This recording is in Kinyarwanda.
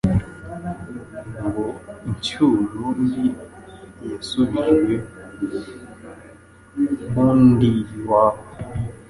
ngo incyuro mbi yashubije Nkundiye iwabo